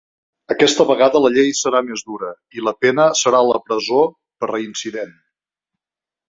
Aquesta vegada la llei serà més dura i la pena serà la presó per reincident.